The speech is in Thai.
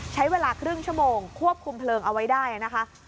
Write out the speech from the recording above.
ใช้เวลาครึ่งชั่วโมงควบคุมเพลิงเอาไว้ได้นะคะ